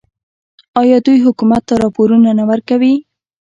آیا دوی حکومت ته راپورونه نه ورکوي؟